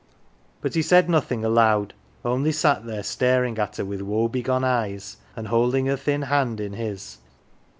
But he said nothing aloud, only sat there staring at her with woebegone eyes, and holding her thin hand in his.